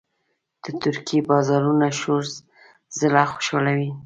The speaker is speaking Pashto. د ترکي بازارونو شور زړه خوشحالوي.